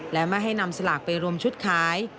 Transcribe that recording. และไม่ให้นำสลากไปรวมชุดขาย